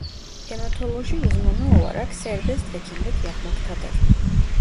Hematoloji uzmanı olarak serbest hekimlik yapmaktadır.